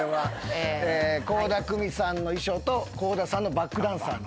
倖田來未さんの衣装と倖田さんのバックダンサーの。